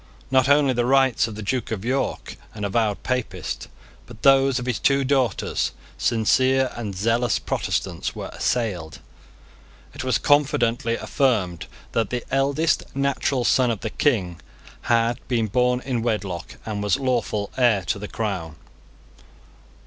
Not only the rights of the Duke of York, an avowed Papist, but those of his two daughters, sincere and zealous Protestants, were assailed. It was confidently affirmed that the eldest natural son of the King had been born in wedlock, and was lawful heir to the crown.